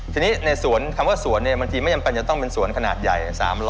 ทีนี้ในสวนคำว่าสวนบางทีไม่จำเป็นจะต้องเป็นสวนขนาดใหญ่๓๐๐